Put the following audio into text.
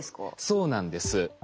そうなんです。